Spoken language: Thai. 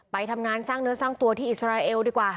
ไปทำงานสร้างเนื้อสร้างตัวที่อิสราเอลดีกว่า